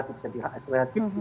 tapi lebih relatif